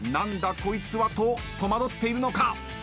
こいつは」と戸惑っているのか。